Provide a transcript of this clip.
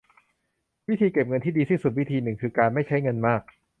วิธีเก็บเงินที่ดีที่สุดวิธีนึงคือการไม่ใช่เงินมาก